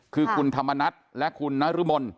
คือคุณธรรมนัฏและคุณนรมน